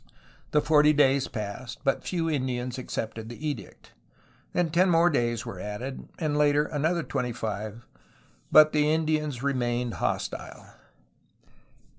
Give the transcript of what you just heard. The forty days passed, but few Indians ac cepted the edict. Then ten days more were added, and later another twenty five, but the Indians remained hostile.